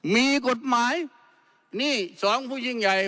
มีกฎหมายนี่สองผู้ยิ่งใหญ่